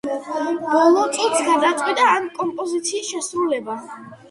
ბოლო წუთს გადაწყვიტა ამ კომპოზიციის შესრულება.